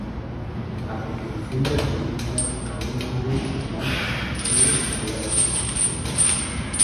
A continuación, le pregunta a un hombre común: "¿Puedes hacer algo con tus cejas?".